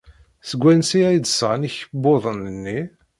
Seg wansi ay d-sɣan ikebbuḍen-nni?